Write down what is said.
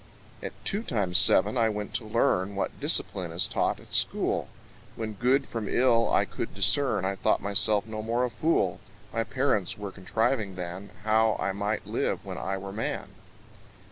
At two times seven I went to learn What discipline is taught at school: When good from ill I could discern, I thought myself no more a fool: My parents were contriving than, How I might live when I were man.